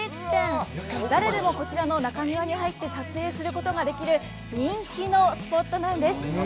誰でもこちらの中庭に入って、撮影することができる人気のスポットなんです。